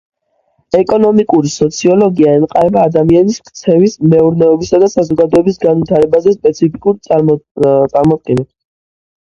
ეკონომიკური სოციოლოგია ემყარება ადამიანის ქცევის, მეურნეობისა და საზოგადოების განვითარებაზე სპეციფიკურ წარმოდგენებს.